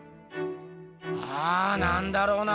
うんなんだろうな。